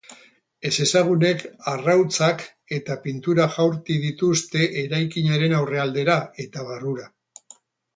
Ezezagunek arrautzak eta pintura jaurti dituzte eraikinaren aurrealdera eta barrura.